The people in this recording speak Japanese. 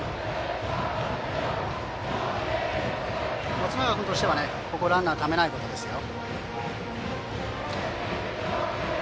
松永君としてはランナーをためないことですよ。